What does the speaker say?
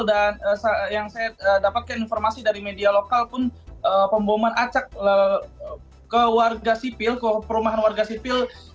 dan yang saya dapatkan informasi dari media lokal pun pembombongan acak ke warga sipil ke perumahan warga sipil